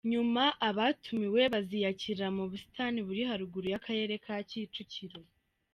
Nyuma , abatumiwe baziyakirira mu busitani buri haruguru y’Akarere ka Kicukiro.